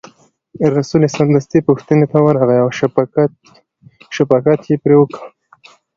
رسول یې سمدستي پوښتنې ته ورغی او شفقت یې پرې وکړ.